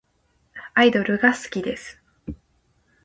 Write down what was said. アイドルが好きです。